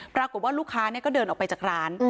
ปรากฏว่าลูกค้าก็เดินออกไปจากร้าน